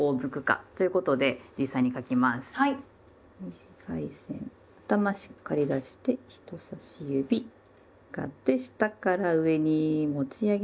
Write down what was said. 短い線頭しっかり出して人さし指上がって下から上に持ち上げます。